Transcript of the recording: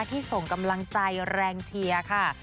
ที่ส่งกำลังใจแรงเชียร์ค่ะ